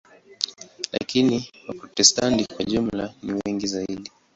Lakini Waprotestanti kwa jumla ni wengi zaidi.